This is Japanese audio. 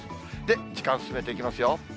時間進めていきますよ。